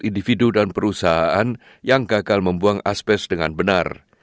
individu dan perusahaan yang gagal membuang aspes dengan benar